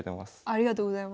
ありがとうございます。